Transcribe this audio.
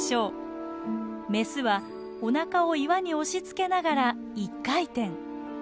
メスはおなかを岩に押しつけながら１回転。